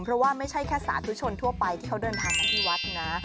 เพราะว่าไม่ใช่แค่สาธุชนทั่วไปที่เขาเดินทางมาที่วัดนะ